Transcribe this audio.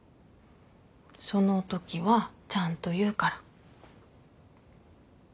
そのときはちゃんと言うから。